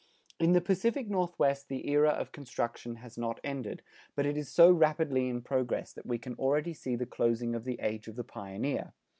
In the Pacific Northwest the era of construction has not ended, but it is so rapidly in progress that we can already see the closing of the age of the pioneer.